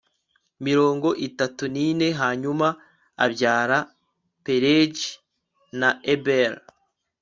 mirongo itatu n ine hanyuma abyara Pelegi n Eberi